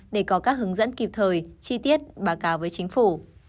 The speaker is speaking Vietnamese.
để có các hướng dẫn kịp thời chi tiết báo cáo với chính phủ